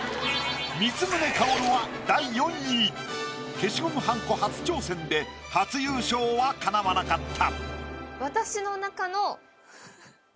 消しゴムはんこ初挑戦で初優勝はかなわなかった。